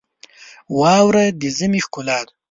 واوره د ژمي ښکلا ده.